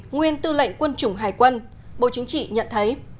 nguyên tư lệnh quân chủng hải quân bộ chính trị nhận thấy